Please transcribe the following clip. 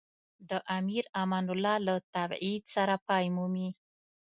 د امیر امان الله له تبعید سره پای مومي.